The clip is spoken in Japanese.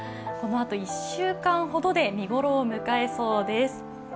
このあと１週間ほどで見頃を迎えそうです。